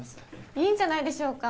いいんじゃないでしょうか。